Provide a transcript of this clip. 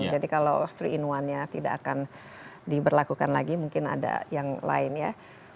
jadi kalau tiga in satu nya tidak akan diberlakukan lagi mungkin ada yang lain ya